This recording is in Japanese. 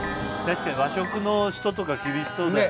確かに和食の人とか厳しそうだよね